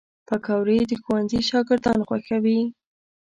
پکورې د ښوونځي شاګردان خوښوي